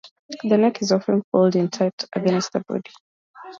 The neck is often pulled in tight against the body.